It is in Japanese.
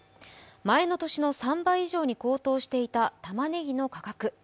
前の年の３倍以上に高騰していたたまねぎの価格。